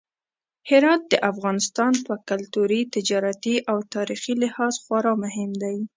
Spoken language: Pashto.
هرات د افغانستان په کلتوري، تجارتي او تاریخي لحاظ خورا مهم دی.